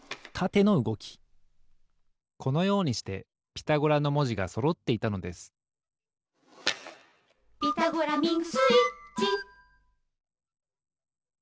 このようにしてピタゴラのもじがそろっていたのです「ピタゴラミングスイッチ」